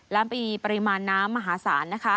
และไปบีนปริมาณน้ำมหาศาล